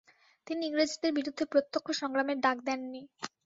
তিনি ইংরেজদের বিরুদ্ধে প্রত্যক্ষ সংগ্রামের ডাক দেন নি।